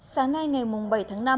sáng nay ngày bảy tháng năm